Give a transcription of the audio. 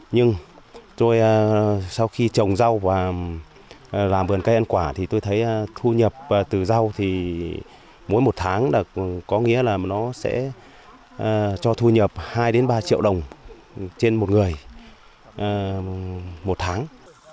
nhưng sau khi trồng rau và làm vườn cây ăn quả thì tôi thấy thu nhập từ rau thì mỗi một tháng có nghĩa là nó sẽ cho thu nhập hai ba triệu đồng trên một người một tháng